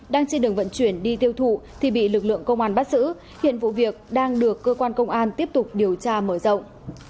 đang trên đường vận chuyển đi tiêu thụ thì bị lực lượng công an bắt giữ hiện vụ việc đang được cơ quan công an tiếp tục điều tra mở rộng